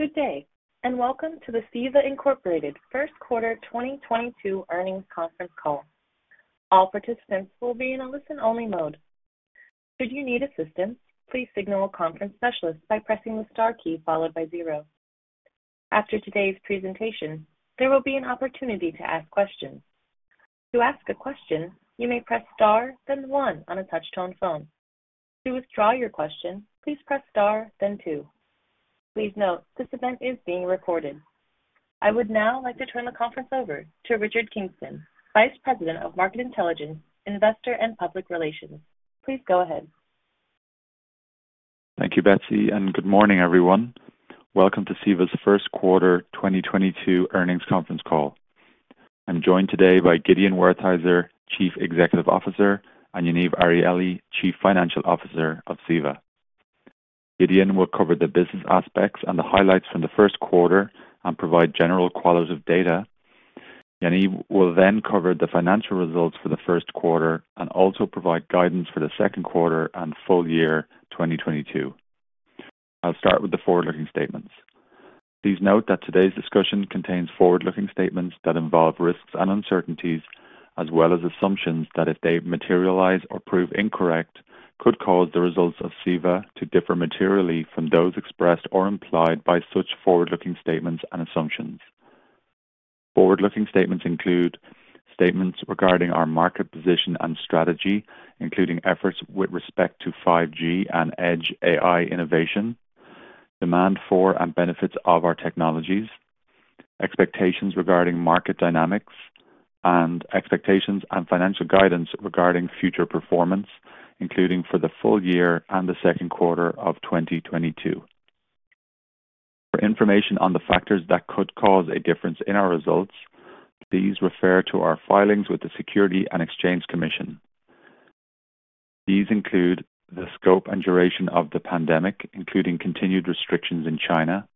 Good day, and welcome to the CEVA, Inc First Quarter 2022 Earnings Conference Call. All participants will be in a listen-only mode. Should you need assistance, please signal a conference specialist by pressing the star key followed by zero. After today's presentation, there will be an opportunity to ask questions. To ask a question, you may press star, then the one on a touch-tone phone. To withdraw your question, please press star, then two. Please note, this event is being recorded. I would now like to turn the conference over to Richard Kingston, Vice President of Market Intelligence, Investor, and Public Relations. Please go ahead. Thank you, Betsy, and good morning, everyone. Welcome to CEVA's First Quarter 2022 Earnings Conference Call. I'm joined today by Gideon Wertheizer, Chief Executive Officer, and Yaniv Arieli, Chief Financial Officer of CEVA. Gideon will cover the business aspects and the highlights from the first quarter and provide general qualitative data. Yaniv will then cover the financial results for the first quarter and also provide guidance for the second quarter and full year 2022. I'll start with the forward-looking statements. Please note that today's discussion contains forward-looking statements that involve risks and uncertainties as well as assumptions that if they materialize or prove incorrect, could cause the results of CEVA to differ materially from those expressed or implied by such forward-looking statements and assumptions. Forward-looking statements include statements regarding our market position and strategy, including efforts with respect to 5G and Edge AI innovation, demand for and benefits of our technologies, expectations regarding market dynamics, and expectations and financial guidance regarding future performance, including for the full year and the second quarter of 2022. For information on the factors that could cause a difference in our results, please refer to our filings with the Securities and Exchange Commission. These include the scope and duration of the pandemic, including continued restrictions in China,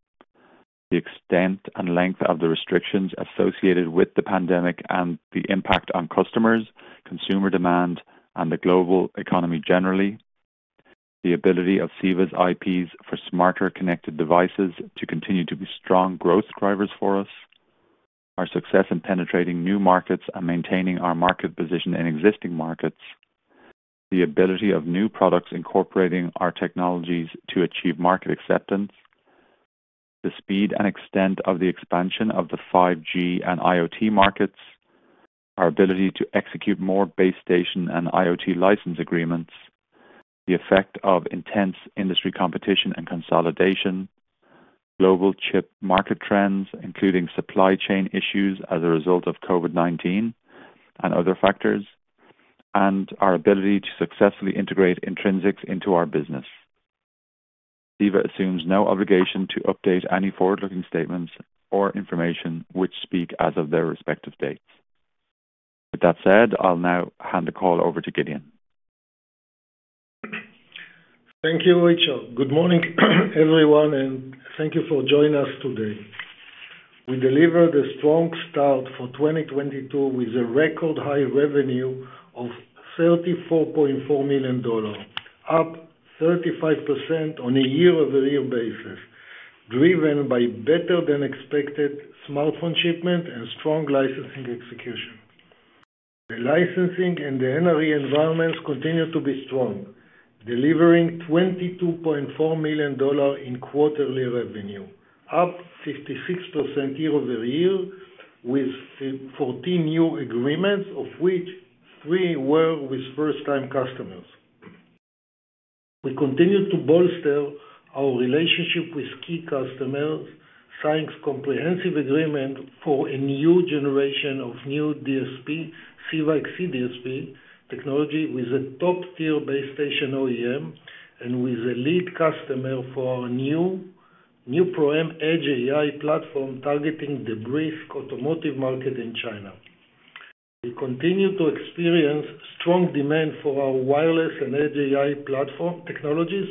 the extent and length of the restrictions associated with the pandemic and the impact on customers, consumer demand, and the global economy generally. The ability of CEVA's IPs for smarter connected devices to continue to be strong growth drivers for us. Our success in penetrating new markets and maintaining our market position in existing markets. The ability of new products incorporating our technologies to achieve market acceptance. The speed and extent of the expansion of the 5G and IoT markets. Our ability to execute more base station and IoT license agreements. The effect of intense industry competition and consolidation. Global chip market trends, including supply chain issues as a result of COVID-19 and other factors, and our ability to successfully integrate Intrinsix into our business. CEVA assumes no obligation to update any forward-looking statements or information which speak as of their respective dates. With that said, I'll now hand the call over to Gideon. Thank you, Richard. Good morning everyone, and thank you for joining us today. We delivered a strong start for 2022 with a record high revenue of $34.4 million, up 35% on a year-over-year basis, driven by better than expected smartphone shipment and strong licensing execution. The licensing and the NRE environments continue to be strong, delivering $22.4 million in quarterly revenue, up 56% year-over-year with 14 new agreements of which three were with first-time customers. We continue to bolster our relationship with key customers, signed comprehensive agreement for a new generation of DSP, CEVA-XC DSP technology with a top tier base station OEM and with a lead customer for our NeuPro-M Edge AI platform targeting the brisk automotive market in China. We continue to experience strong demand for our wireless and Edge AI platform technologies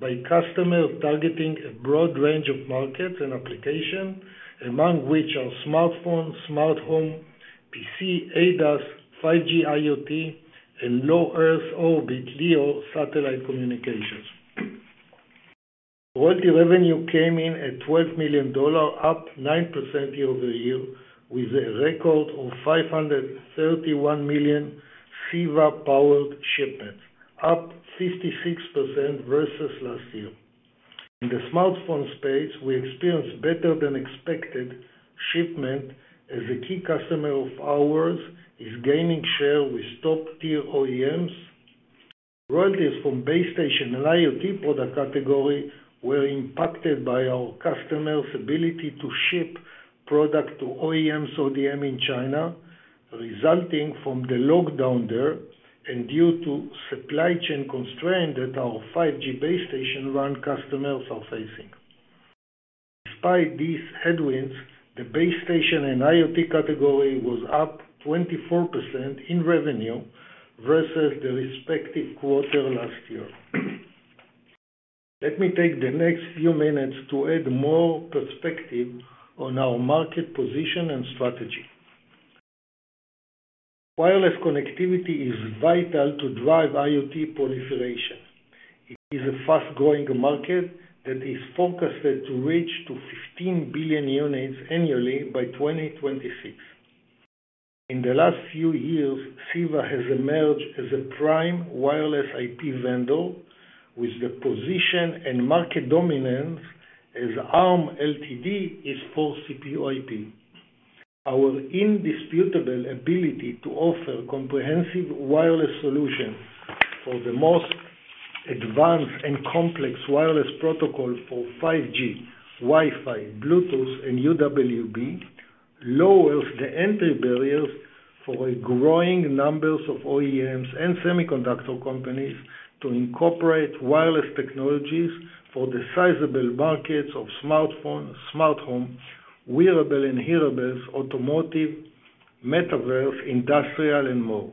by customers targeting a broad range of markets and applications, among which are smartphone, smart home, PC, ADAS, 5G IoT, and low Earth orbit LEO satellite communications. Royalty revenue came in at $12 million, up 9% year-over-year with a record of 531 million CEVA-powered shipments, up 56% versus last year. In the smartphone space, we experienced better than expected shipment as a key customer of ours is gaining share with top tier OEMs. Royalties from base station and IoT product category were impacted by our customers' ability to ship product to OEMs, ODM in China, resulting from the lockdown there and due to supply chain constraint that our 5G base station one customers are facing. Despite these headwinds, the base station and IoT category was up 24% in revenue versus the respective quarter last year. Let me take the next few minutes to add more perspective on our market position and strategy. Wireless connectivity is vital to drive IoT proliferation. It is a fast-growing market that is forecasted to reach 15 billion units annually by 2026. In the last few years, CEVA has emerged as a prime wireless IP vendor with the position and market dominance as Arm Ltd is for CPU IP. Our indisputable ability to offer comprehensive wireless solutions for the most advanced and complex wireless protocol for 5G, Wi-Fi, Bluetooth, and UWB lowers the entry barriers for a growing numbers of OEMs and semiconductor companies to incorporate wireless technologies for the sizable markets of smartphone, smart home, wearable and hearables, automotive, metaverse, industrial and more.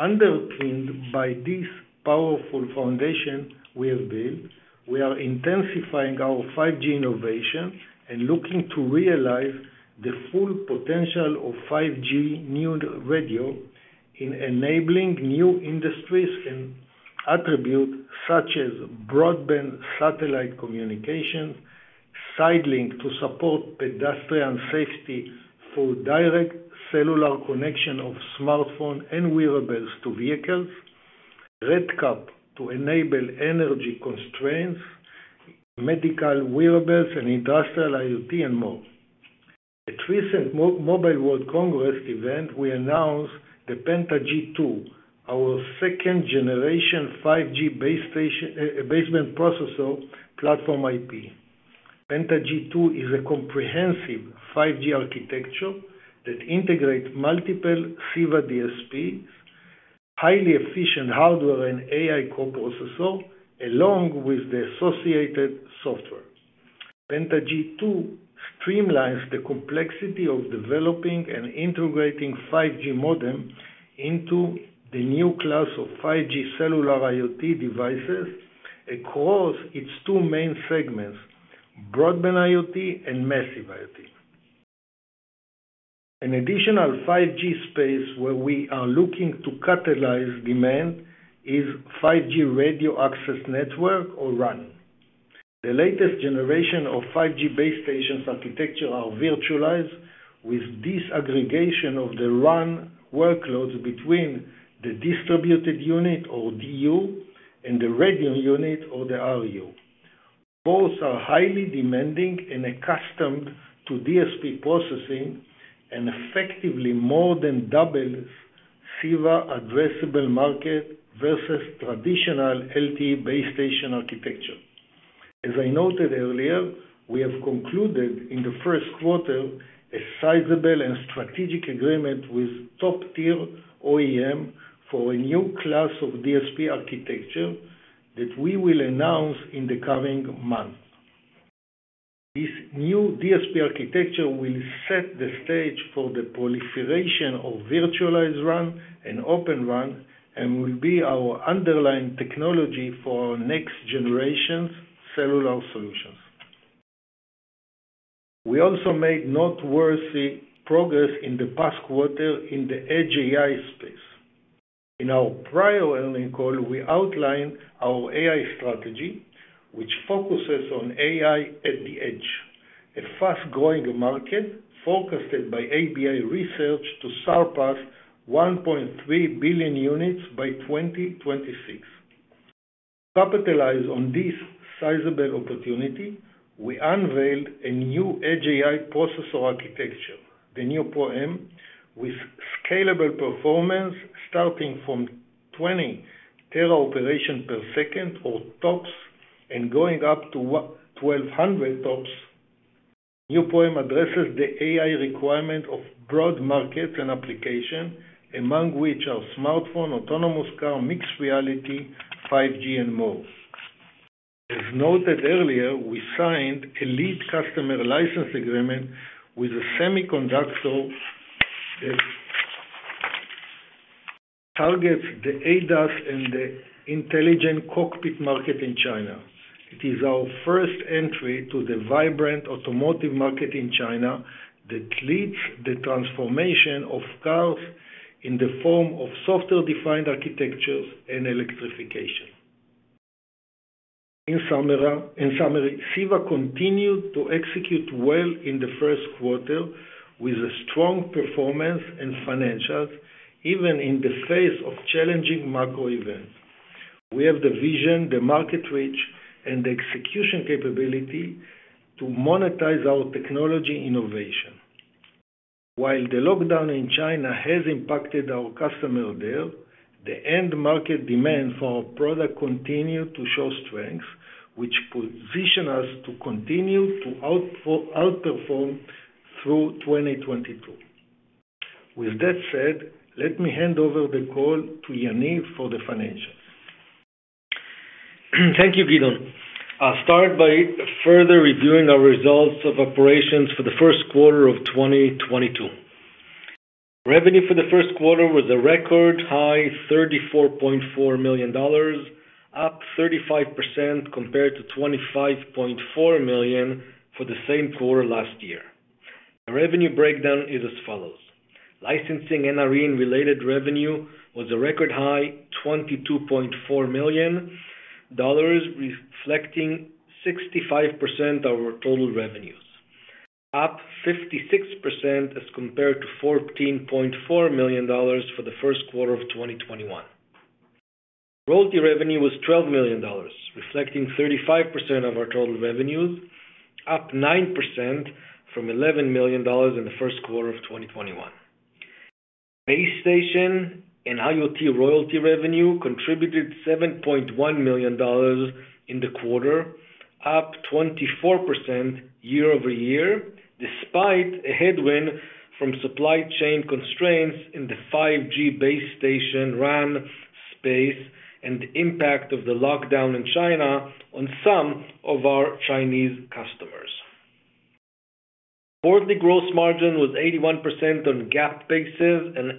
Underpinned by this powerful foundation we have built, we are intensifying our 5G innovation and looking to realize the full potential of 5G new radio in enabling new industries and applications such as broadband satellite communication, sidelink to support pedestrian safety for direct cellular connection of smartphone and wearables to vehicles, RedCap to enable energy-constrained medical wearables and industrial IoT and more. At recent Mobile World Congress event, we announced the PentaG2, our second generation 5G baseband processor platform IP. PentaG2 is a comprehensive 5G architecture that integrates multiple CEVA DSPs, highly efficient hardware and AI co-processor, along with the associated software. PentaG2 streamlines the complexity of developing and integrating 5G modem into the new class of 5G cellular IoT devices across its two main segments, broadband IoT and massive IoT. An additional 5G space where we are looking to catalyze demand is 5G radio access network or RAN. The latest generation of 5G base stations architecture are virtualized with disaggregation of the RAN workloads between the distributed unit or DU and the radio unit or the RU. Both are highly demanding and accustomed to DSP processing and effectively more than doubles CEVA's addressable market versus traditional LTE base station architecture. As I noted earlier, we have concluded in the first quarter a sizable and strategic agreement with top-tier OEM for a new class of DSP architecture that we will announce in the coming months. This new DSP architecture will set the stage for the proliferation of virtualized RAN and Open RAN, and will be our underlying technology for our next generation's cellular solutions. We also made noteworthy progress in the past quarter in the Edge AI space. In our prior earnings call, we outlined our AI strategy, which focuses on AI at the edge, a fast-growing market forecasted by ABI Research to surpass 1.3 billion units by 2026. To capitalize on this sizable opportunity, we unveiled a new Edge AI processor architecture, the NeuPro-M, with scalable performance starting from 20 tera operations per second, or TOPS, and going up to 1,200 TOPS. NeuPro-M addresses the AI requirement of broad markets and application, among which are smartphone, autonomous car, mixed reality, 5G and more. As noted earlier, we signed a lead customer license agreement with a semiconductor that targets the ADAS and the intelligent cockpit market in China. It is our first entry to the vibrant automotive market in China that leads the transformation of cars in the form of software-defined architectures and electrification. In summary, CEVA continued to execute well in the first quarter with a strong performance and financials, even in the face of challenging macro events. We have the vision, the market reach, and the execution capability to monetize our technology innovation. While the lockdown in China has impacted our customer there, the end market demand for our product continued to show strength, which position us to continue to outperform through 2022. With that said, let me hand over the call to Yaniv for the financials. Thank you, Gideon. I'll start by further reviewing our results of operations for the first quarter of 2022. Revenue for the first quarter was a record high $34.4 million. Up 35% compared to $25.4 million for the same quarter last year. The revenue breakdown is as follows. Licensing NRE and related revenue was a record high $22.4 million, reflecting 65% of our total revenues, up 56% as compared to $14.4 million for the first quarter of 2021. Royalty revenue was $12 million, reflecting 35% of our total revenues, up 9% from $11 million in the first quarter of 2021. Base station and IoT royalty revenue contributed $7.1 million in the quarter, up 24% year-over-year, despite a headwind from supply chain constraints in the 5G base station RAN space and the impact of the lockdown in China on some of our Chinese customers. Quarterly gross margin was 81% on GAAP basis and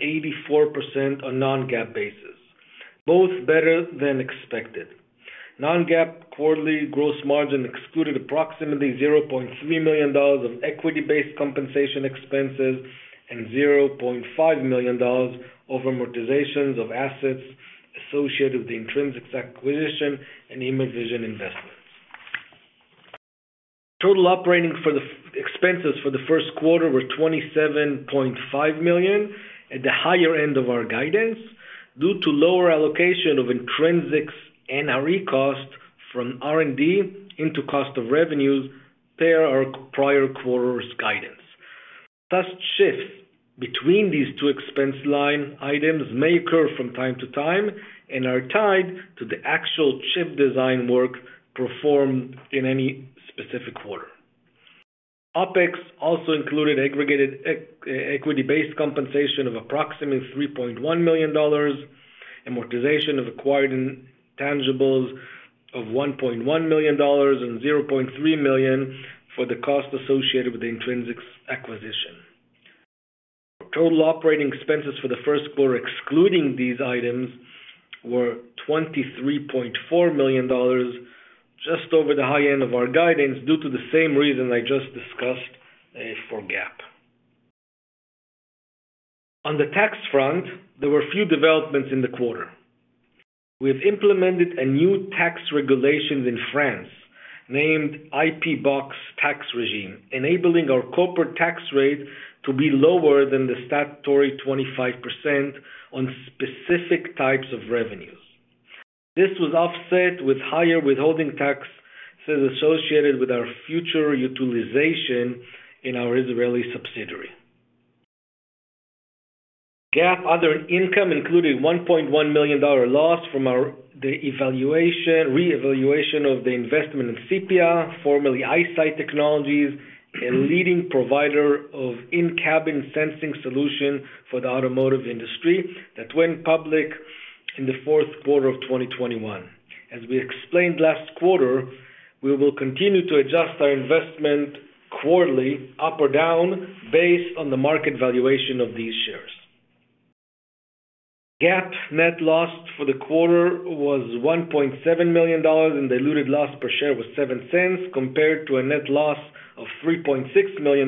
84% on non-GAAP basis, both better than expected. Non-GAAP quarterly gross margin excluded approximately $0.3 million of equity-based compensation expenses and $0.5 million of amortizations of assets associated with the Intrinsix acquisition and Immervision investments. Total operating expenses for the first quarter were $27.5 million, at the higher end of our guidance, due to lower allocation of Intrinsix NRE cost from R&D into cost of revenues per our prior quarter's guidance. Such shifts between these two expense line items may occur from time to time and are tied to the actual chip design work performed in any specific quarter. OpEx also included aggregated equity-based compensation of approximately $3.1 million, amortization of acquired intangibles of $1.1 million, and $0.3 million for the cost associated with the Intrinsix acquisition. Total operating expenses for the first quarter, excluding these items, were $23.4 million, just over the high end of our guidance, due to the same reason I just discussed for GAAP. On the tax front, there were a few developments in the quarter. We have implemented a new tax regulation in France named IP Box Tax Regime, enabling our corporate tax rate to be lower than the statutory 25% on specific types of revenues. This was offset with higher withholding taxes associated with our future utilization in our Israeli subsidiary. GAAP other income included $1.1 million loss from the reevaluation of the investment in Cipia, formerly Eyesight Technologies, a leading provider of in-cabin sensing solution for the automotive industry that went public in the fourth quarter of 2021. As we explained last quarter, we will continue to adjust our investment quarterly up or down based on the market valuation of these shares. GAAP net loss for the quarter was $1.7 million, and diluted loss per share was $0.07, compared to a net loss of $3.6 million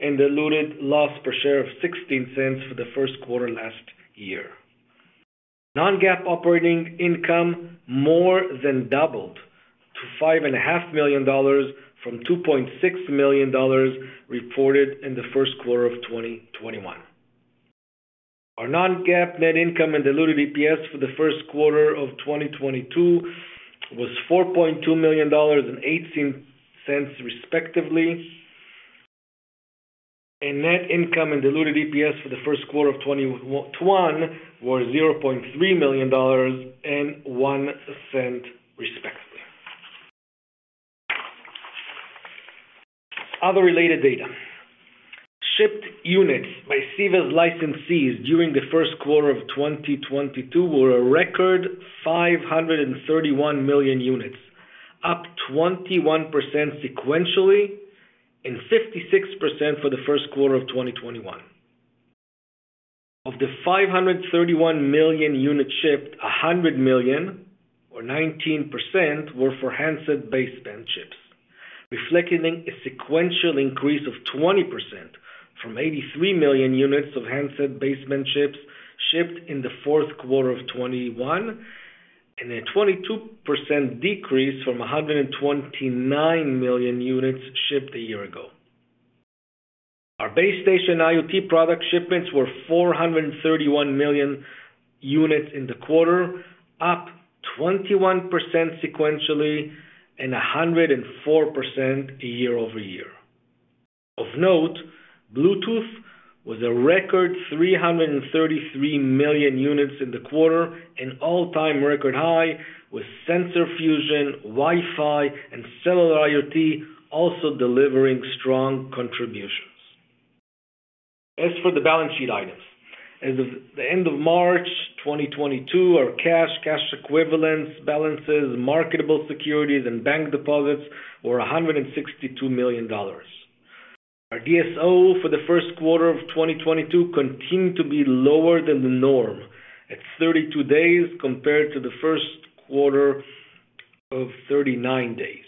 and diluted loss per share of $0.16 for the first quarter last year. Non-GAAP operating income more than doubled to $5.5 million from $2.6 million reported in the first quarter of 2021. Our non-GAAP net income and diluted EPS for the first quarter of 2022 was $4.2 million and $0.18, respectively. Net income and diluted EPS for the first quarter of 2021 were $0.3 million and $0.01, respectively. Other related data. Shipped units by CEVA's licensees during the first quarter of 2022 were a record 531 million units, up 21% sequentially and 56% for the first quarter of 2021. Of the 531 million units shipped, 100 million or 19% were for handset baseband chips, reflecting a sequential increase of 20% from 83 million units of handset baseband chips shipped in the fourth quarter of 2021, and a 22% decrease from 129 million units shipped a year ago. Our base station IoT product shipments were 431 million units in the quarter, up 21% sequentially and 104% year-over-year. Of note, Bluetooth was a record 333 million units in the quarter, an all-time record high, with sensor fusion, Wi-Fi, and cellular IoT also delivering strong contributions. As for the balance sheet items. As of the end of March 2022, our cash equivalents, balances, marketable securities, and bank deposits were $162 million. Our DSO for the first quarter of 2022 continued to be lower than the norm, at 32 days compared to the first quarter of 39 days.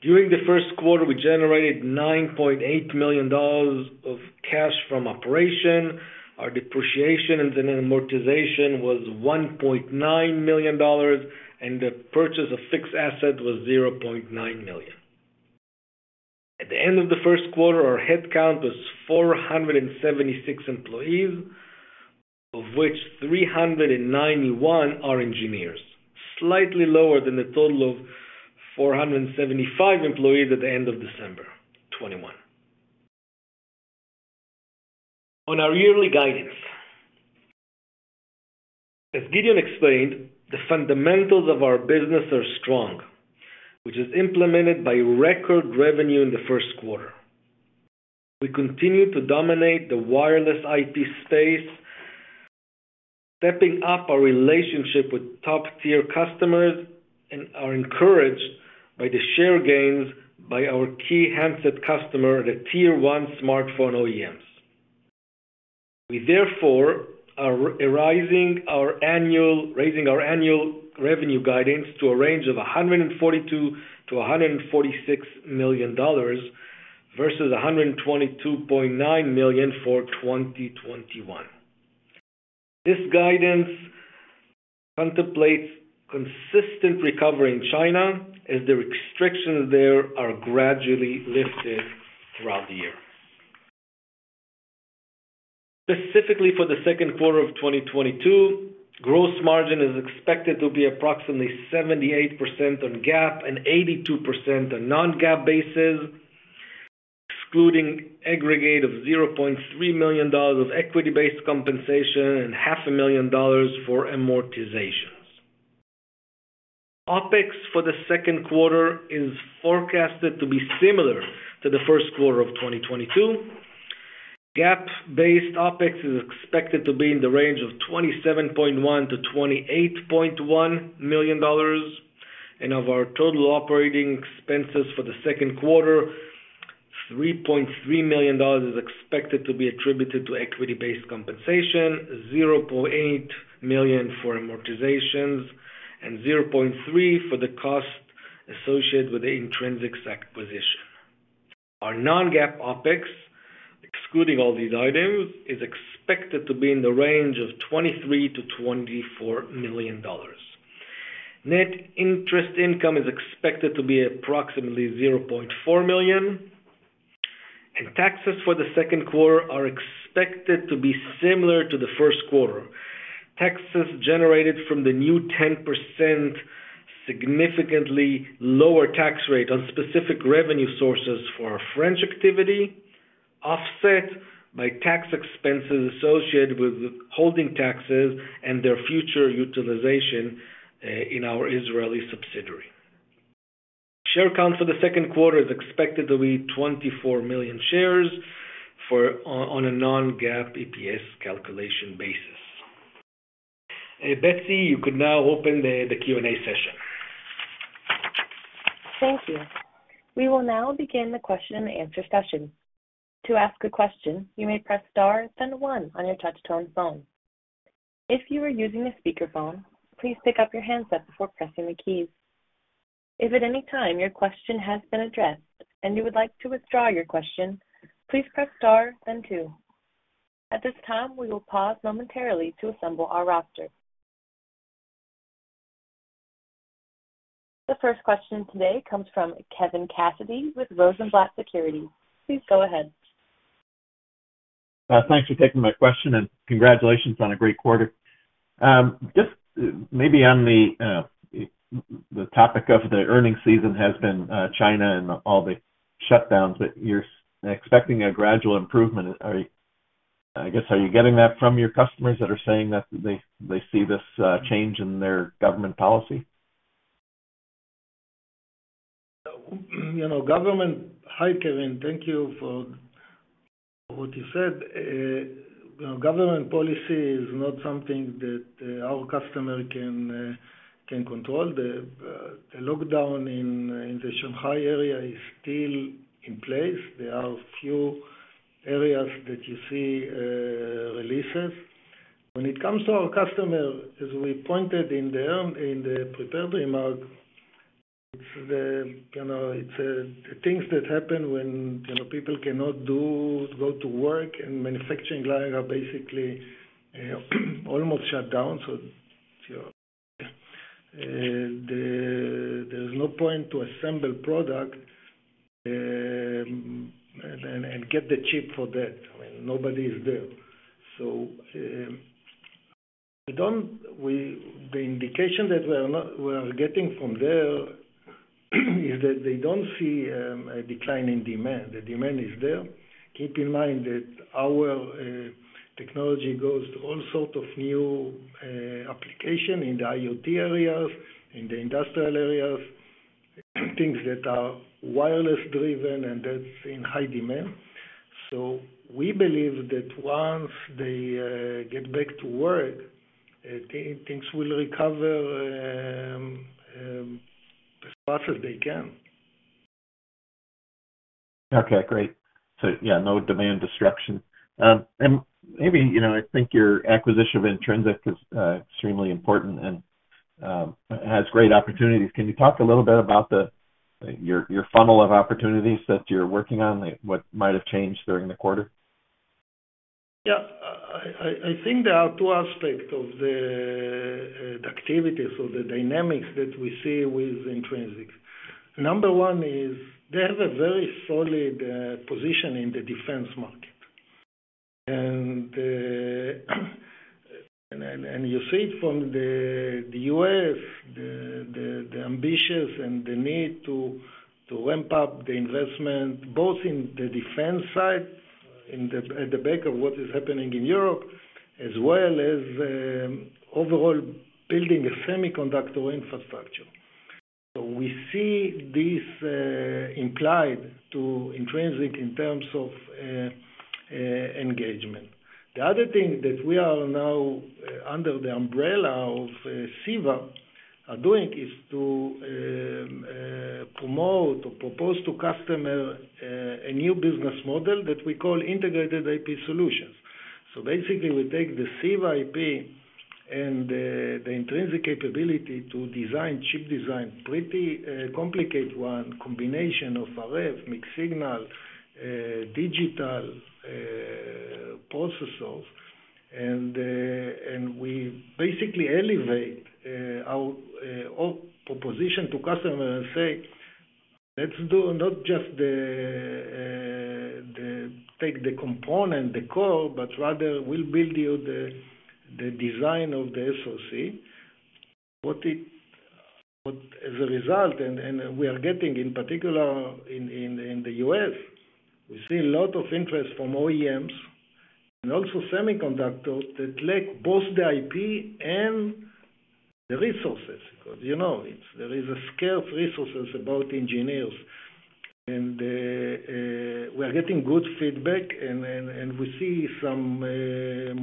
During the first quarter, we generated $9.8 million of cash from operation. Our depreciation and amortization was $1.9 million, and the purchase of fixed asset was $0.9 million. At the end of the first quarter, our headcount was 476 employees, of which 391 are engineers. Slightly lower than the total of 475 employees at the end of December 2021. On our yearly guidance. As Gideon explained, the fundamentals of our business are strong, which is implemented by record revenue in the first quarter. We continue to dominate the wireless IP space, stepping up our relationship with top-tier customers, and are encouraged by the share gains by our key handset customer, the tier one smartphone OEMs. We therefore are raising our annual revenue guidance to a range of $142 million-$146 million versus $122.9 million for 2021. This guidance contemplates consistent recovery in China as the restrictions there are gradually lifted throughout the year. Specifically for the second quarter of 2022, gross margin is expected to be approximately 78% on GAAP and 82% on non-GAAP basis, excluding aggregate of $0.3 million of equity-based compensation and $0.5 million for amortizations. OpEx for the second quarter is forecasted to be similar to the first quarter of 2022. GAAP-based OpEx is expected to be in the range of $27.1 million-$28.1 million. Of our total operating expenses for the second quarter, $3.3 million is expected to be attributed to equity-based compensation, $0.8 million for amortizations, and $0.3 million for the cost associated with the Intrinsix acquisition. Our non-GAAP OpEx, excluding all these items, is expected to be in the range of $23 million-$24 million. Net interest income is expected to be approximately $0.4 million. Taxes for the second quarter are expected to be similar to the first quarter. Taxes generated from the new 10% significantly lower tax rate on specific revenue sources for our French activity, offset by tax expenses associated with holding taxes and their future utilization in our Israeli subsidiary. Share count for the second quarter is expected to be 24 million shares on a non-GAAP EPS calculation basis. Betsy, you could now open the Q&A session. Thank you. We will now begin the question and answer session. To ask a question, you may press star then one on your touch tone phone. If you are using a speakerphone, please pick up your handset before pressing the keys. If at any time your question has been addressed and you would like to withdraw your question, please press star then two. At this time, we will pause momentarily to assemble our roster. The first question today comes from Kevin Cassidy with Rosenblatt Securities. Please go ahead. Thanks for taking my question and congratulations on a great quarter. Just maybe on the topic of the earnings season has been China and all the shutdowns, but you're expecting a gradual improvement. Are you getting that from your customers that are saying that they see this change in their government policy? Hi, Kevin. Thank you for what you said. You know, government policy is not something that our customer can control. The lockdown in the Shanghai area is still in place. There are a few areas that you see releases. When it comes to our customer, as we pointed out in the prepared remarks, you know, it's the things that happen when people cannot go to work and manufacturing lines are basically almost shut down. So if you're there's no point to assemble product and get the chip for that. I mean, nobody is there. The indication we are getting from there is that they don't see a decline in demand. The demand is there. Keep in mind that our technology goes to all sorts of new application in the IoT areas, in the industrial areas, things that are wireless-driven and that's in high demand. We believe that once they get back to work, things will recover as fast as they can. Okay, great. Yeah, no demand disruption. Maybe, you know, I think your acquisition of Intrinsix is extremely important and has great opportunities. Can you talk a little bit about your funnel of opportunities that you're working on, like what might have changed during the quarter? I think there are two aspects of the activities or the dynamics that we see with Intrinsix. Number one is they have a very solid position in the defense market. You see it from the U.S. ambitions and the need to ramp up the investment, both in the defense side on the back of what is happening in Europe, as well as overall building a semiconductor infrastructure. We see this impact to Intrinsix in terms of engagement. The other thing that we are now under the umbrella of CEVA are doing is to promote or propose to customers a new business model that we call integrated IP solutions. Basically, we take the CEVA IP and the Intrinsix capability to design chip design, a pretty complicated one combination of RF, mixed-signal, digital processors. We basically elevate our whole proposition to customer and say, "Let's not just take the component, the core, but rather we'll build you the design of the SOC." With that as a result, we are getting in particular in the U.S., we see a lot of interest from OEMs and also semiconductors that lack both the IP and the resources. 'Cause, you know, it's, there is a scale of resources about engineers. We are getting good feedback and we see some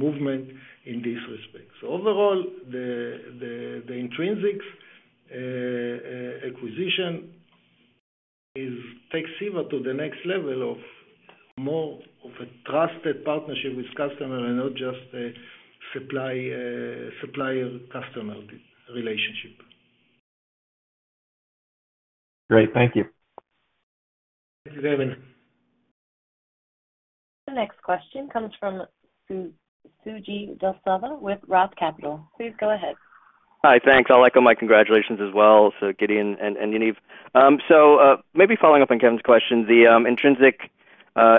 movement in this respect. Overall, the Intrinsix acquisition takes CEVA to the next level of more of a trusted partnership with customer and not just a supplier customer relationship. Great. Thank you. Thank you, Kevin. The next question comes from Suji Desilva with Roth Capital. Please go ahead. Hi. Thanks. I'll echo my congratulations as well to Gideon and Yaniv. Maybe following up on Kevin's question, Intrinsix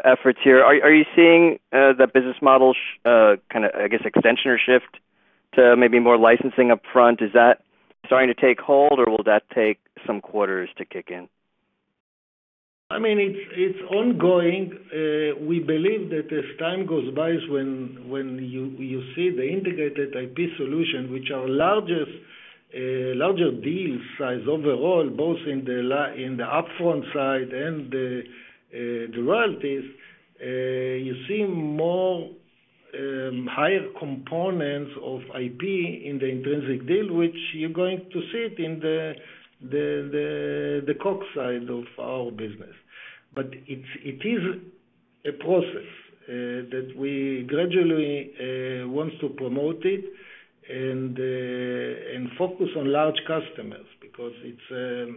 efforts here. Are you seeing the business model kinda, I guess, extension or shift to maybe more licensing upfront? Is that starting to take hold or will that take some quarters to kick in? I mean, it's ongoing. We believe that as time goes by is when you see the integrated IP solution, which our largest larger deal size overall, both in the upfront side and the royalties. You see more higher components of IP in the Intrinsix deal, which you're going to see it in the core side of our business. It is a process that we gradually want to promote it and focus on large customers because it's a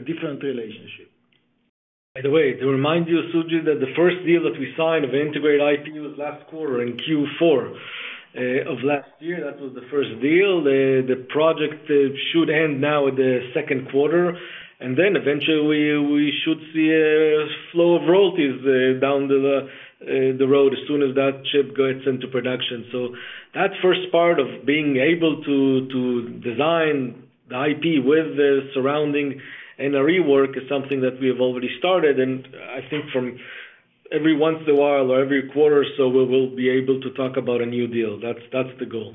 different relationship. By the way, to remind you, Suji, that the first deal that we signed of integrated IP was last quarter in Q4 of last year. That was the first deal. The project should end in the second quarter, and then eventually we should see a flow of royalties down the road as soon as that chip goes into production. So that first part of being able to design the IP with the surrounding NRE work is something that we have already started. I think from every once in a while or every quarter or so, we will be able to talk about a new deal. That's the goal.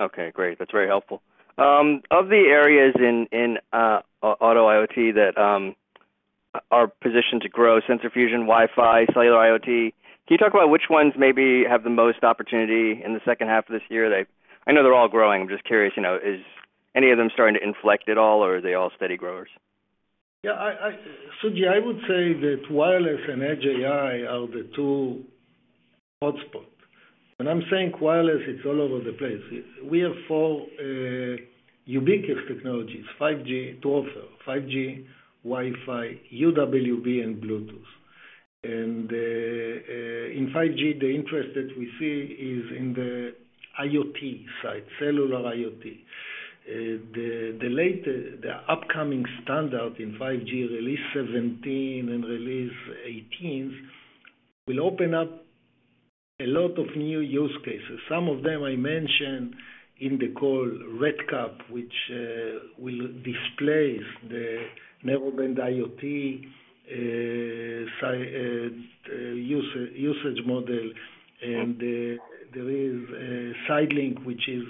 Okay, great. That's very helpful. Of the areas in auto IoT that are positioned to grow, sensor fusion, Wi-Fi, cellular IoT, can you talk about which ones maybe have the most opportunity in the second half of this year? They, I know they're all growing. I'm just curious, you know, is any of them starting to inflect at all, or are they all steady growers? Suji, I would say that wireless and Edge AI are the two hotspots. When I'm saying wireless, it's all over the place. We have four ubiquitous technologies to offer: 5G, Wi-Fi, UWB, and Bluetooth. In 5G, the interest that we see is in the IoT side, cellular IoT. The upcoming standard in 5G Release 17 and Release 18 will open up a lot of new use cases. Some of them I mentioned in the call, RedCap, which will displace the narrowband IoT usage model. There is sidelink, which is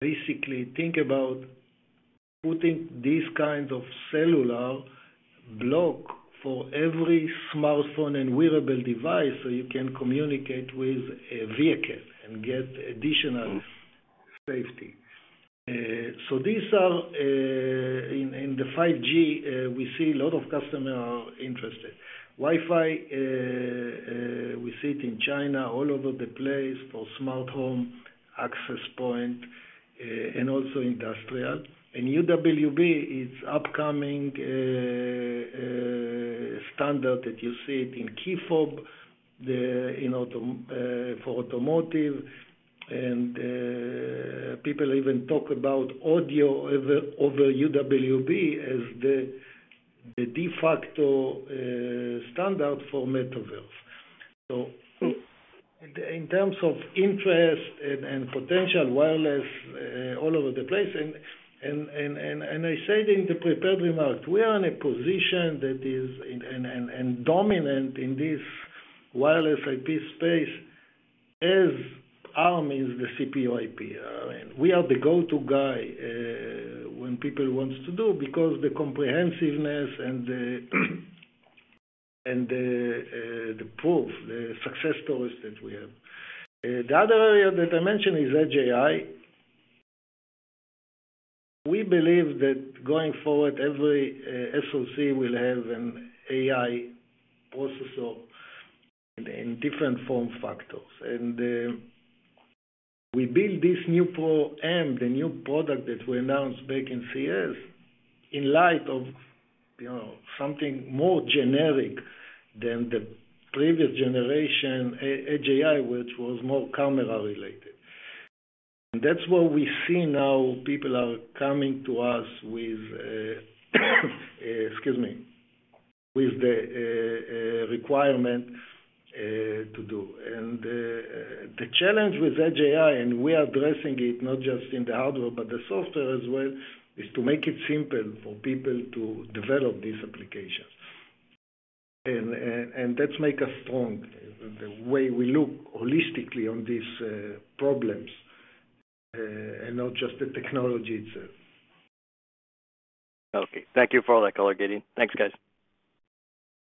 basically think about putting these kinds of cellular block for every smartphone and wearable device, so you can communicate with a vehicle and get additional safety. These are in the 5G. We see a lot of customers are interested. Wi-Fi, we see it in China all over the place for smart home access points and also industrial. UWB is upcoming standard that you see it in key fobs, you know, for automotive and people even talk about audio over UWB as the de facto standard for metaverse. In terms of interest and potential wireless, all over the place and I said in the prepared remarks, we are in a position that is in and dominant in this wireless IP space as Arm is the CPU IP. I mean, we are the go-to guy when people wants to do because the comprehensiveness and the proof, the success stories that we have. The other area that I mentioned is Edge AI. We believe that going forward every SoC will have an AI processor in different form factors. We build this new NeuPro-M, the new product that we announced back in CES, in light of, you know, something more generic than the previous generation Edge AI, which was more camera related. That's what we see now, people are coming to us with, excuse me, with the requirement to do. The challenge with Edge AI, and we are addressing it not just in the hardware but the software as well, is to make it simple for people to develop these applications. That make us strong, the way we look holistically on these problems, and not just the technology itself. Okay. Thank you for all that color, Gideon. Thanks, guys.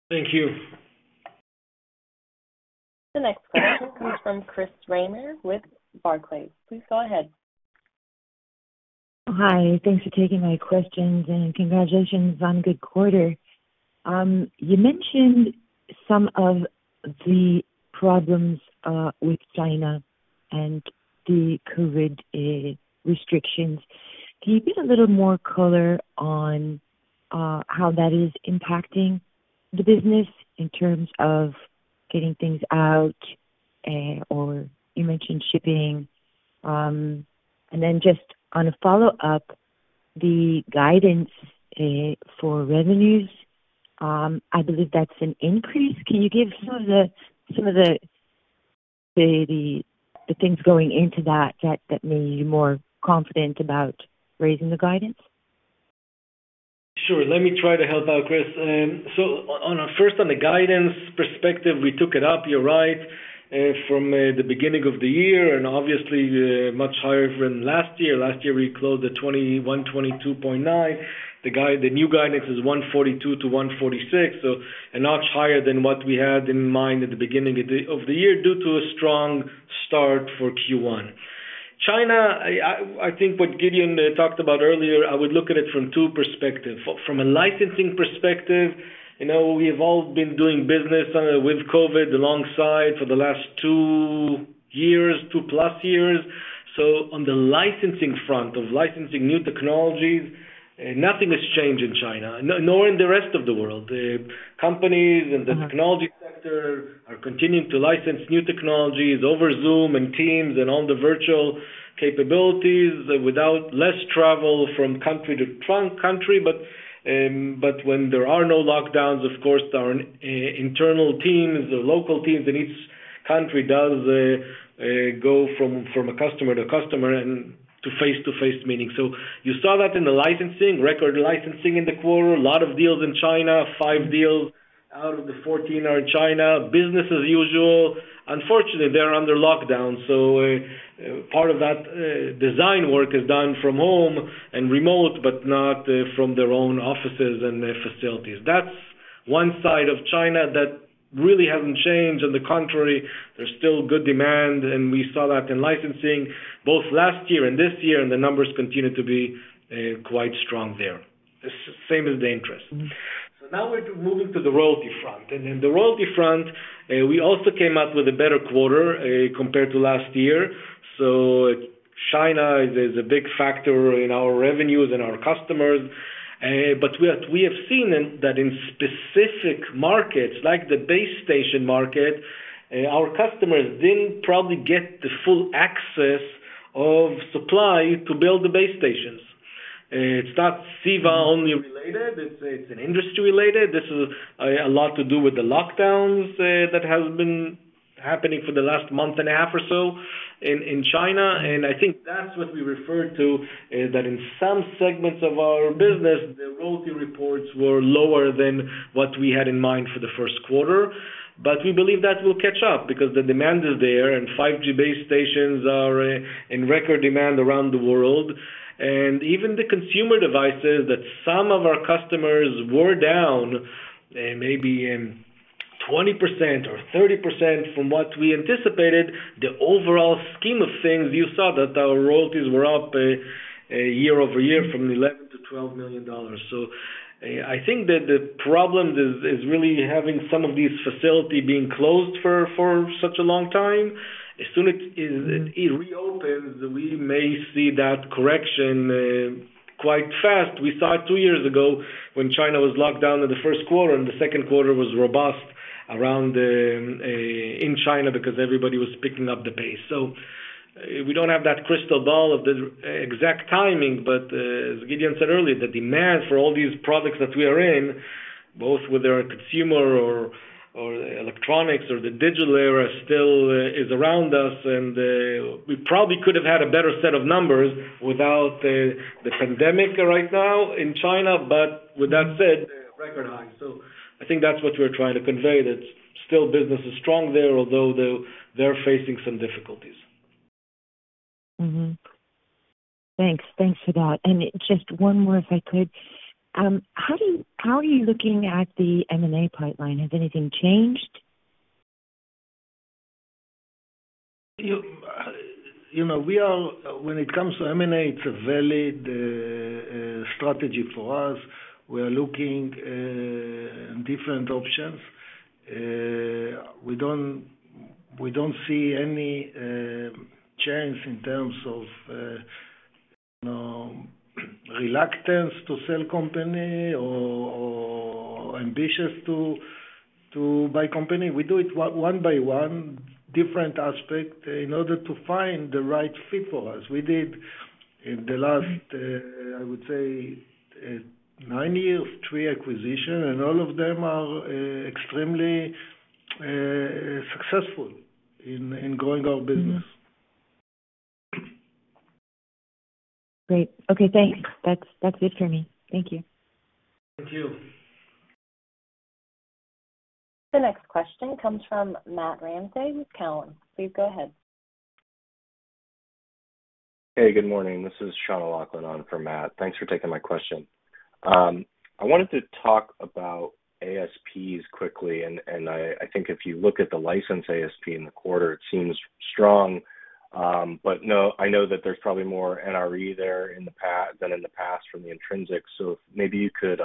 Thank you. The next question comes from Chris Reimer with Barclays, please go ahead. Hi. Thanks for taking my questions, and congratulations on good quarter. You mentioned some of the problems with China and the COVID restrictions. Can you give a little more color on how that is impacting the business in terms of getting things out, or you mentioned shipping, and then just on a follow-up, the guidance for revenues, I believe that's an increase. Can you give some of the things going into that that made you more confident about raising the guidance? Sure. Let me try to help out, Chris. On the guidance perspective, we took it up, you're right, from the beginning of the year and obviously much higher from last year. Last year, we closed at $21-$22.9. The new guidance is $142-$146, so a notch higher than what we had in mind at the beginning of the year due to a strong start for Q1. China, I think what Gideon talked about earlier, I would look at it from two perspective. From a licensing perspective, you know, we've all been doing business with COVID alongside for the last two plus years. On the licensing front of licensing new technologies, nothing has changed in China, nor in the rest of the world. The companies in the technology sector are continuing to license new technologies over Zoom and Teams and all the virtual capabilities with less travel from country to country. When there are no lockdowns, of course, our internal teams, the local teams in each country do go from a customer to customer and to face-to-face meetings. You saw that in the licensing, record licensing in the quarter. A lot of deals in China. Five deals out of the 14 are in China. Business as usual. Unfortunately, they're under lockdown, part of that design work is done from home and remote, but not from their own offices and their facilities. That's one side of China that really hasn't changed. On the contrary, there's still good demand, and we saw that in licensing both last year and this year, and the numbers continue to be quite strong there. The same as the interest. Now we're moving to the royalty front. In the royalty front, we also came up with a better quarter compared to last year. China is a big factor in our revenues and our customers. We have seen that in specific markets, like the base station market, our customers didn't probably get the full access of supply to build the base stations. It's not CEVA only related, it's an industry related. This is a lot to do with the lockdowns that has been happening for the last month and a half or so in China. I think that's what we referred to is that in some segments of our business, the royalty reports were lower than what we had in mind for the first quarter. We believe that will catch up because the demand is there and 5G base stations are in record demand around the world. Even the consumer devices that some of our customers were down, maybe in 20% or 30% from what we anticipated, the overall scheme of things, you saw that our royalties were up, year-over-year from $11 million to $12 million. I think that the problem is really having some of these facility being closed for such a long time. As soon as it reopens, we may see that correction quite fast. We saw it two years ago when China was locked down in the first quarter, and the second quarter was robust around the in China because everybody was picking up the pace. We don't have that crystal ball of the exact timing, but as Gideon said earlier, the demand for all these products that we are in, both whether a consumer or electronics or the digital era still is around us. We probably could have had a better set of numbers without the pandemic right now in China. With that said, record high. I think that's what we're trying to convey, that still business is strong there, although they're facing some difficulties. Mm-hmm. Thanks. Thanks for that. Just one more, if I could. How are you looking at the M&A pipeline? Has anything changed? When it comes to M&A, it's a valid strategy for us. We are looking at different options. We don't see any change in terms of, you know, reluctance to sell companies or ambitions to buy companies. We do it one by one, different aspects in order to find the right fit for us. We did, in the last nine years, three acquisitions, and all of them are extremely successful in growing our business. Great. Okay, thanks. That's it for me. Thank you. Thank you. The next question comes from Matt Ramsay with Cowen. Please go ahead. Hey, good morning. This is Sean O'Loughlin on for Matt. Thanks for taking my question. I wanted to talk about ASPs quickly, and I think if you look at the license ASP in the quarter, it seems strong. But I know that there's probably more NRE there than in the past from Intrinsix. So maybe you could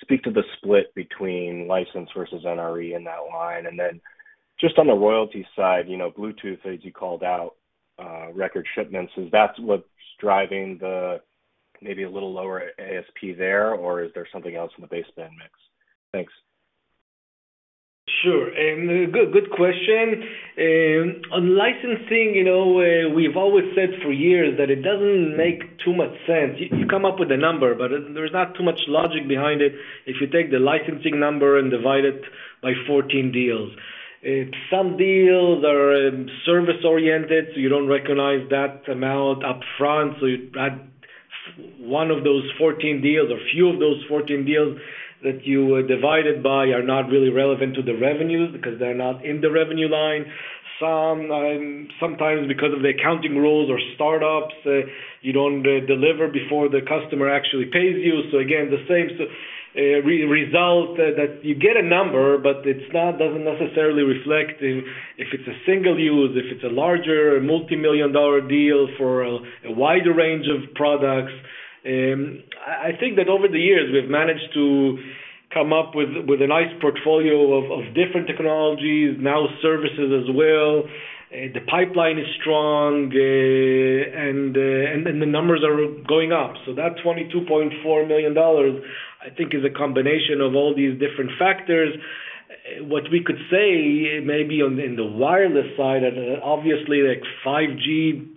speak to the split between license versus NRE in that line. And then just on the royalty side, you know, Bluetooth, as you called out, record shipments, is that what's driving the maybe a little lower ASP there, or is there something else in the baseband mix? Thanks. Sure. Good question. On licensing, you know, we've always said for years that it doesn't make too much sense. You come up with a number, but there's not too much logic behind it if you take the licensing number and divide it by 14 deals. Some deals are service-oriented, so you don't recognize that amount up front. You add one of those 14 deals or a few of those 14 deals that you divided by are not really relevant to the revenues because they're not in the revenue line. Sometimes because of the accounting rules or startups, you don't deliver before the customer actually pays you. Again, the same result that you get a number, but it's not, doesn't necessarily reflect if it's a single use, if it's a larger multimillion-dollar deal for a wider range of products. I think that over the years, we've managed to come up with a nice portfolio of different technologies, now services as well. The pipeline is strong, and the numbers are going up. That $22.4 million, I think is a combination of all these different factors. What we could say maybe in the wireless side, and obviously, like 5G type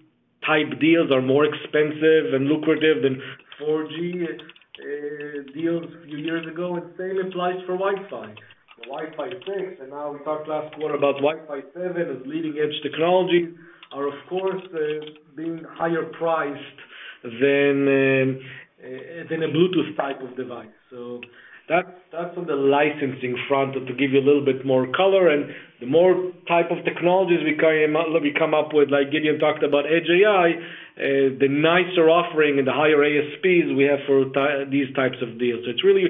deals are more expensive and lucrative than 4G deals a few years ago, and same applies for Wi-Fi. The Wi-Fi 6, and now we talked last quarter about Wi-Fi 7 as leading-edge technology, are of course, being higher priced than a Bluetooth type of device. That's on the licensing front, to give you a little bit more color. The more type of technologies we come up with, like Gideon talked about Edge AI, the nicer offering and the higher ASPs we have for these types of deals. It's really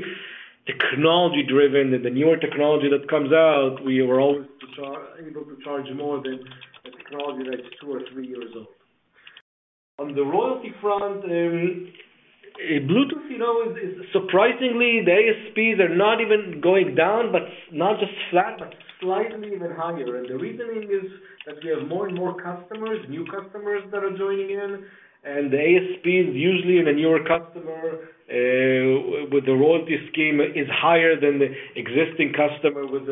technology-driven. The newer technology that comes out, we are always able to charge more than a technology that's two or three years old. On the royalty front, Bluetooth, you know, is surprisingly, the ASPs are not even going down, but not just flat, but slightly even higher. The reasoning is that we have more and more customers, new customers that are joining in. The ASP is usually in a newer customer with the royalty scheme is higher than the existing customer with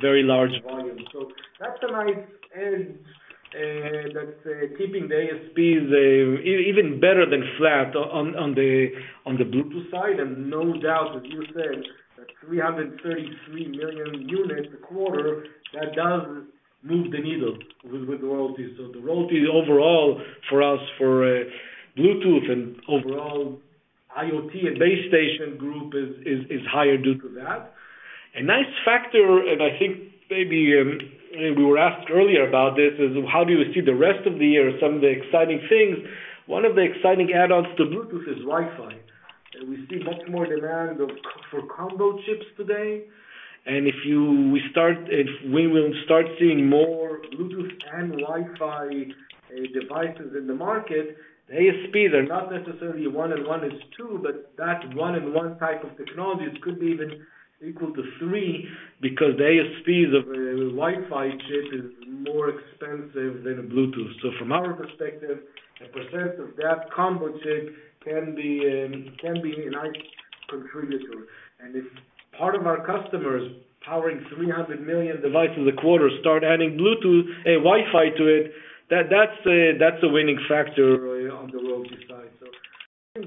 very large volume. That's a nice edge, that's keeping the ASPs even better than flat on the Bluetooth side. No doubt, as you said, that 333 million units a quarter, that does move the needle with royalties. The royalty overall for us Bluetooth and overall IoT and base station group is higher due to that. A nice factor, I think maybe we were asked earlier about this, is how do you see the rest of the year, some of the exciting things. One of the exciting add-ons to Bluetooth is Wi-Fi. We see much more demand for combo chips today. If we will start seeing more Bluetooth and Wi-Fi devices in the market, the ASPs are not necessarily one and one is two, but that one in one type of technologies could be even equal to three because the ASPs of a Wi-Fi chip is more expensive than a Bluetooth. From our perspective, a percent of that combo chip can be a nice contributor. If part of our customers powering 300 million devices a quarter start adding Bluetooth, Wi-Fi to it, that's a winning factor on the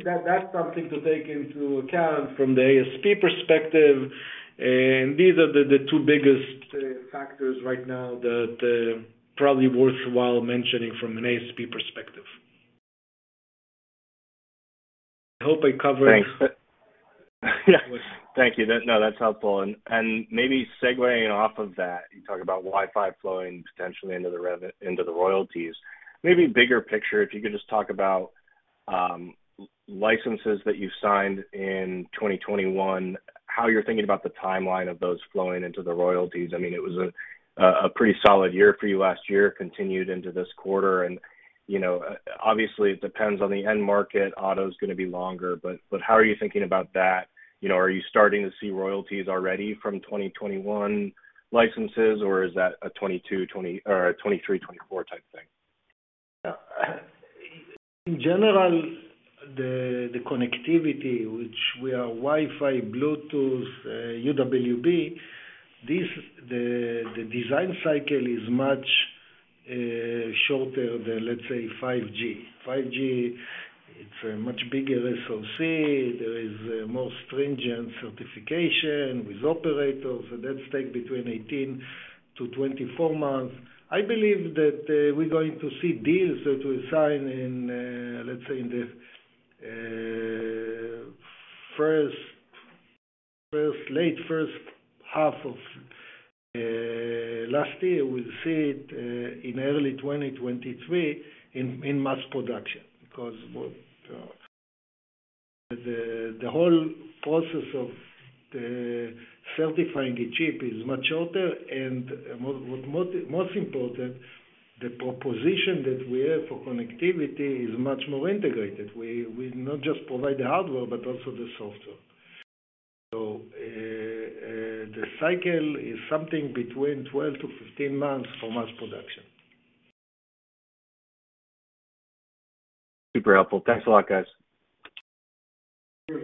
road to size. That's something to take into account from the ASP perspective, and these are the two biggest factors right now that probably worthwhile mentioning from an ASP perspective. Hope I covered. Thanks. Thank you. No, that's helpful. Maybe segueing off of that, you talk about Wi-Fi flowing potentially into the royalties. Maybe bigger picture, if you could just talk about licenses that you've signed in 2021, how you're thinking about the timeline of those flowing into the royalties. I mean, it was a pretty solid year for you last year, continued into this quarter. You know, obviously, it depends on the end market. Auto's gonna be longer. How are you thinking about that? You know, are you starting to see royalties already from 2021 licenses, or is that a 2022, 2023, 2024 type thing? Yeah. In general, the connectivity which we do Wi-Fi, Bluetooth, UWB, the design cycle is much shorter than, let's say, 5G. 5G, it's a much bigger SoC. There is more stringent certification with operators, and that take between 18 to 24 months. I believe that we're going to see deals that we sign in, let's say, late first half of last year, we'll see it in early 2023 in mass production. Because the whole process of certifying the chip is much shorter and most important, the proposition that we have for connectivity is much more integrated. We not just provide the hardware, but also the software. The cycle is something between 12 to 15 months for mass production. Super helpful. Thanks a lot, guys. Sure.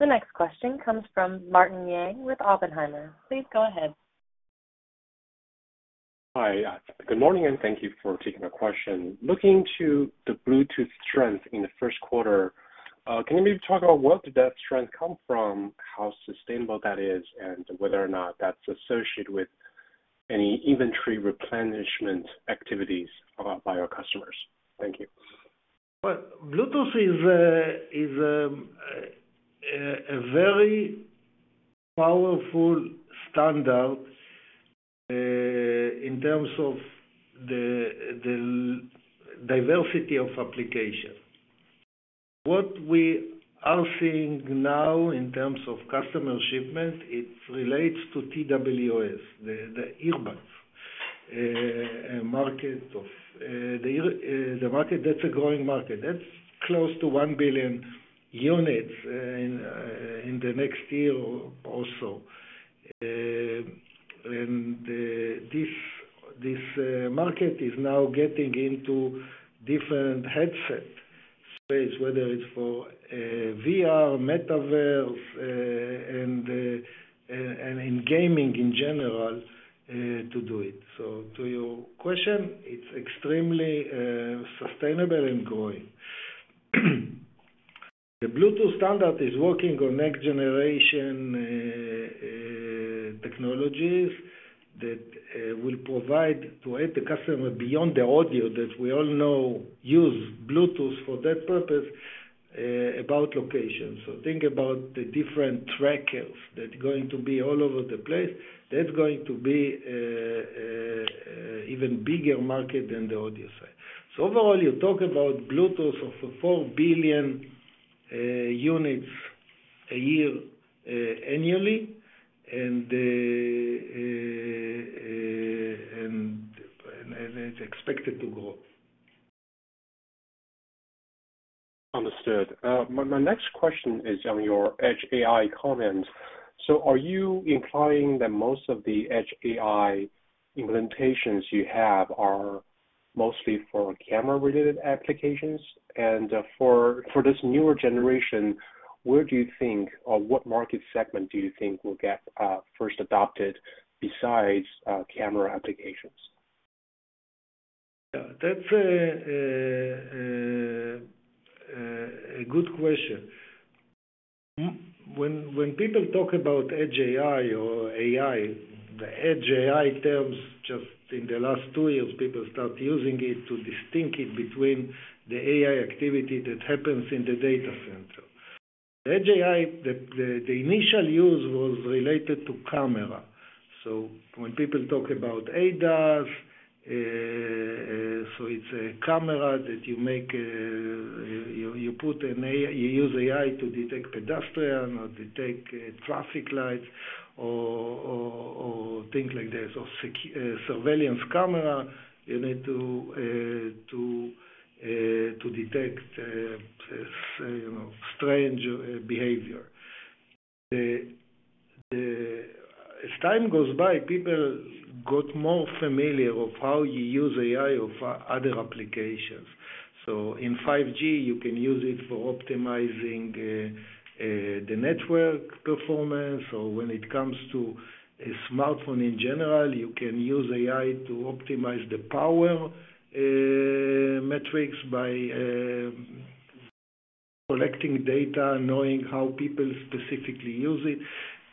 The next question comes from Martin Yang with Oppenheimer. Please go ahead. Hi. Good morning, and thank you for taking the question. Looking to the Bluetooth strength in the first quarter, can you maybe talk about where did that strength come from, how sustainable that is, and whether or not that's associated with any inventory replenishment activities by your customers? Thank you. Well, Bluetooth is a very powerful standard in terms of the diversity of application. What we are seeing now in terms of customer shipment, it relates to TWS, the earbuds market. That's a growing market. That's close to 1 billion units in the next year or so. This market is now getting into different headset space, whether it's for VR, metaverse, and in gaming in general, to do it. To your question, it's extremely sustainable and growing. The Bluetooth standard is working on next generation technologies that will provide to aid the customer beyond the audio that we all know use Bluetooth for that purpose, about location. Think about the different trackers that's going to be all over the place. That's going to be even bigger market than the audio side. Overall, you talk about Bluetooth of 4 billion units a year annually, and it's expected to grow. Understood. My next question is on your Edge AI comment. Are you implying that most of the Edge AI implementations you have are mostly for camera-related applications? For this newer generation, where do you think or what market segment do you think will get first adopted besides camera applications? Yeah. That's a good question. When people talk about Edge AI or AI, the Edge AI term, just in the last two years, people started using it to distinguish it between the AI activity that happens in the data center. The Edge AI, the initial use was related to camera. When people talk about ADAS, so it's a camera that you make, you put an AI. You use AI to detect pedestrian or detect traffic lights or things like this. Or surveillance camera, you need to detect, you know, strange behavior. As time goes by, people got more familiar with how you use AI in other applications. In 5G, you can use it for optimizing the network performance, or when it comes to a smartphone in general, you can use AI to optimize the power metrics by collecting data, knowing how people specifically use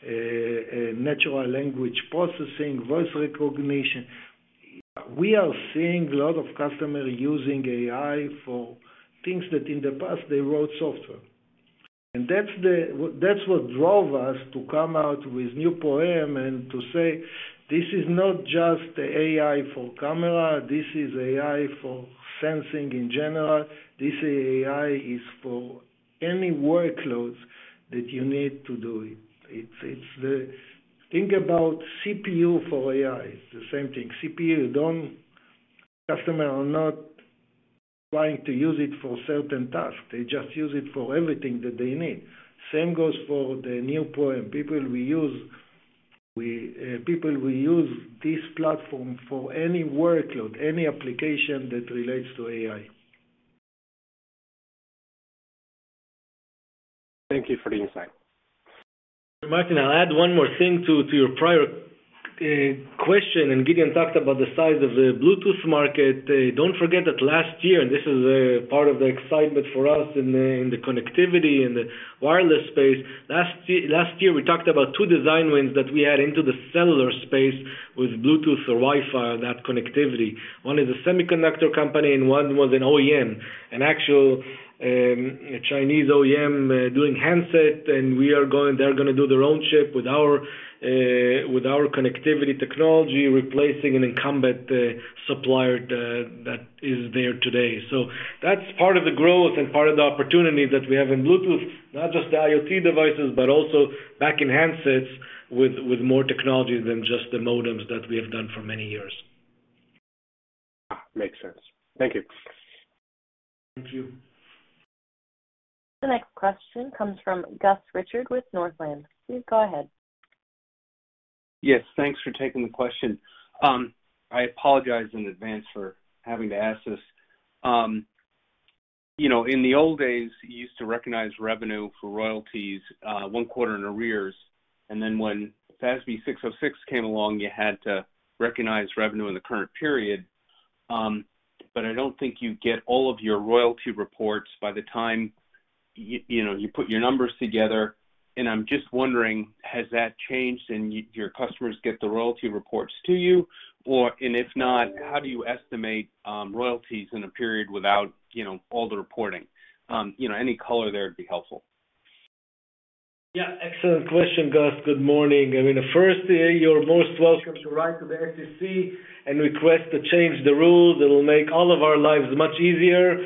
it, natural language processing, voice recognition. We are seeing a lot of customers using AI for things that in the past, they wrote software. That's what drove us to come out with NeuPro-M and to say, "This is not just AI for camera, this is AI for sensing in general. This AI is for any workloads that you need to do it." It's the. Think about CPU for AI. It's the same thing. Customers are not trying to use it for certain tasks. They just use it for everything that they need. Same goes for the NeuPro-M. People will use this platform for any workload, any application that relates to AI. Thank you for the insight. Martin, I'll add one more thing to your prior question. Gideon talked about the size of the Bluetooth market. Don't forget that last year, and this is part of the excitement for us in the connectivity and the wireless space. Last year, we talked about two design wins that we had into the cellular space with Bluetooth or Wi-Fi, that connectivity. One is a semiconductor company and one was an OEM, an actual Chinese OEM doing handset, and they're gonna do their own chip with our connectivity technology, replacing an incumbent supplier that is there today. That's part of the growth and part of the opportunity that we have in Bluetooth, not just the IoT devices, but also back in handsets with more technology than just the modems that we have done for many years. Makes sense. Thank you. Thank you. The next question comes from Gus Richard with Northland. Please go ahead. Yes, thanks for taking the question. I apologize in advance for having to ask this. You know, in the old days, you used to recognize revenue for royalties, one quarter in arrears. When ASC 606 came along, you had to recognize revenue in the current period. I don't think you get all of your royalty reports by the time you know, you put your numbers together. I'm just wondering, has that changed and your customers get the royalty reports to you? Or if not, how do you estimate royalties in a period without you know, all the reporting? You know, any color there would be helpful. Yeah, excellent question, Gus. Good morning. I mean, first, you're most welcome to write to the FASB and request to change the rules. It'll make all of our lives much easier.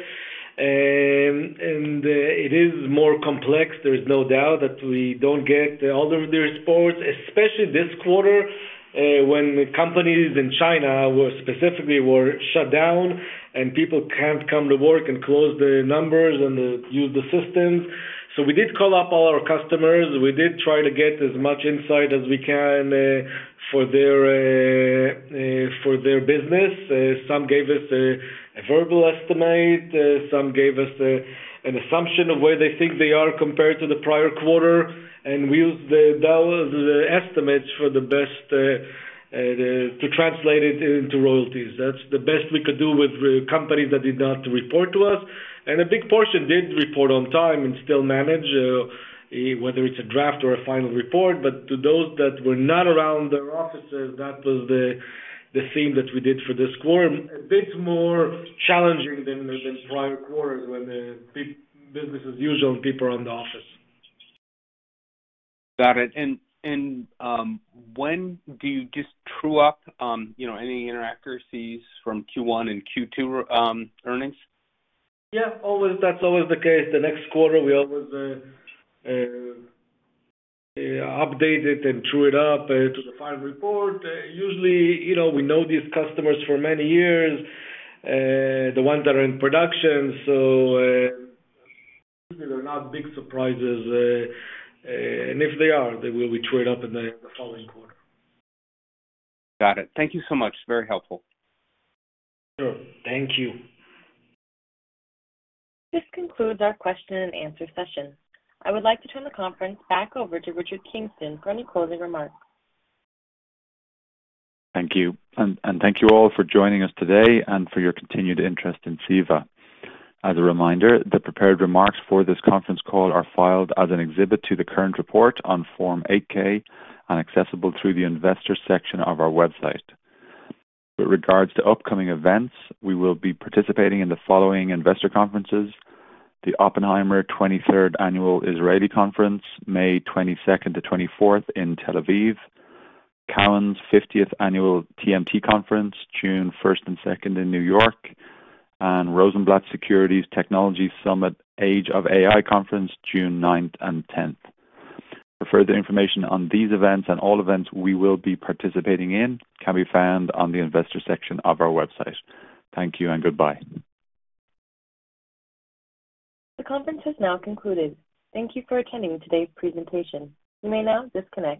It is more complex. There's no doubt that we don't get all of the reports, especially this quarter, when companies in China were specifically shut down and people can't come to work and close the numbers and use the systems. We did call up all our customers. We did try to get as much insight as we can for their business. Some gave us a verbal estimate. Some gave us an assumption of where they think they are compared to the prior quarter. We used the data, the estimates for the best, to translate it into royalties. That's the best we could do with our companies that did not report to us. A big portion did report on time and still manage whether it's a draft or a final report. To those that were not around their offices, that was the thing that we did for this quarter. A bit more challenging than the prior quarters when business is usual and people are in the office. Got it. When do you just true up, you know, any inaccuracies from Q1 and Q2 earnings? Yeah. Always. That's always the case. The next quarter, we always update it and true it up to the final report. Usually, you know, we know these customers for many years, the ones that are in production. If they are, they will be trued up in the following quarter. Got it. Thank you so much. Very helpful. Sure. Thank you. This concludes our question and answer session. I would like to turn the conference back over to Richard Kingston for any closing remarks. Thank you. Thank you all for joining us today and for your continued interest in CEVA. As a reminder, the prepared remarks for this conference call are filed as an exhibit to the current report on Form 8-K and accessible through the investor section of our website. With regards to upcoming events, we will be participating in the following investor conferences, the Oppenheimer 23rd Annual Israeli Conference, May 22nd-24th in Tel Aviv, Cowen's 50th Annual TMT Conference, June 1st and 2nd in New York, and Rosenblatt Securities Technology Summit Age of AI Conference, June 9th and 10th. For further information on these events and all events we will be participating in, can be found on the investor section of our website. Thank you and goodbye. The conference has now concluded. Thank you for attending today's presentation. You may now disconnect.